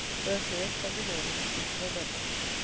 _Burghclere, Sunday Morning, 6th November.